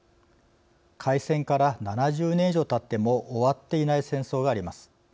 開戦から７０年以上たっても終わっていない戦争があります。